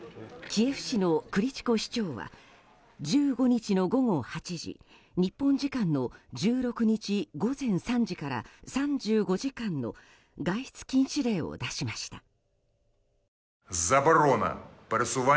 キエフ市のクリチコ市長は１５日の午後８時日本時間の１６日午前３時から３５時間の外出禁止令を出しました。